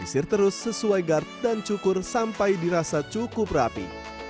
diisir terus sesuai guard dan cukur sampai dirasa cukup rapi